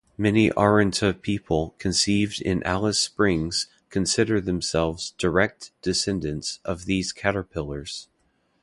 Many Arrernte people conceived in Alice Springs consider themselves direct descendants of these caterpillars.